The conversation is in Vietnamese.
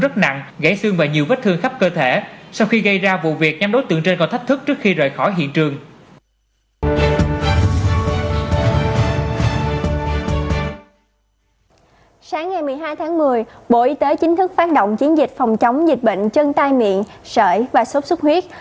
sáng ngày một mươi hai tháng một mươi bộ y tế chính thức phát động chiến dịch phòng chống dịch bệnh chân tai miệng sợi và sốt sức huyết